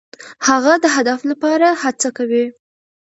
هغه د هدف لپاره هڅه کوي.